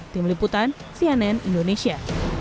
tim liputan cnn indonesia